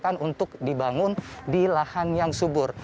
tidak bolehkan untuk dibangun di lahan yang subur